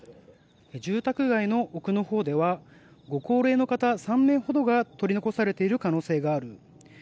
住宅街の奥のほうではご高齢の方３名ほどが取り残されている可能性がある。